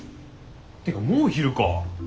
てかもう昼か。